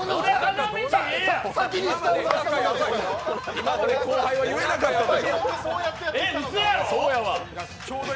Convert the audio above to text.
今まで後輩は言えなかったのか。